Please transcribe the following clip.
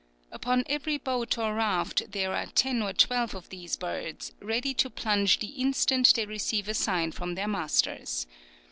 "Upon every boat or raft there are ten or twelve of these birds, ready to plunge the instant they receive a sign from their masters.